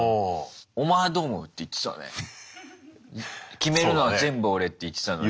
「決めるのは全部俺」って言ってたのに。